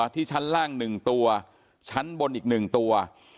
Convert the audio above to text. ที่ชั้นล่าง๑ตัวชั้นบนอีก๑ตัว